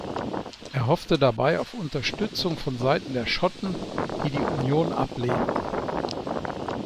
Er hoffte dabei auf Unterstützung von Seiten der Schotten, die die Union ablehnten.